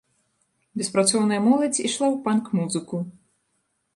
Беспрацоўная моладзь ішла ў панк-музыку.